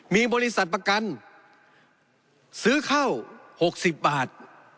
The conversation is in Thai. มีบริษัทประกันซื้อเข้า๖๐บาท